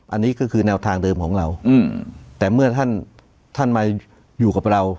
อันนี้ก็คือแนวทางเดิมของเราแต่เมื่อท่านท่านมาอยู่กับเรา